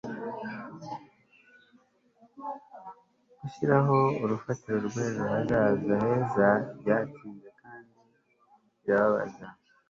gushiraho urufatiro rw'ejo hazaza heza. byatinze kandi birababaza